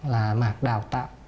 là mạc đào tạo